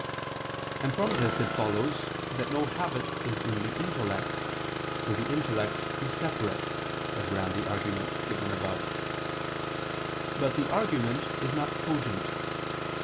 _ And from this it follows that no habit is in the intellect, for the intellect is separate, as ran the argument, given above. But the argument is not cogent.